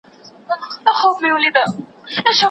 خو هغه دونه پیسې نه وې